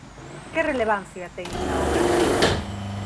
Que relevancia teñen na obra?